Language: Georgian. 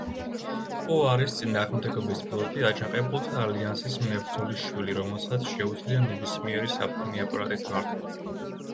პო არის წინააღმდეგობის პილოტი, აჯანყებულთა ალიანსის მებრძოლის შვილი, რომელსაც შეუძლია ნებისმიერი საფრენი აპარატის მართვა.